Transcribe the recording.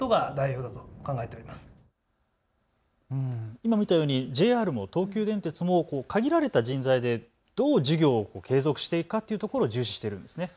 今、見たようにＪＲも東急電鉄も限られた人材でどう事業を継続していくかというところを重視しているんですね。